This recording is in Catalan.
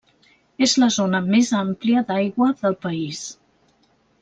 És la zona més àmplia d'aigua del país.